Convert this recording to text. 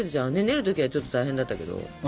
練る時はちょっと大変だったけど。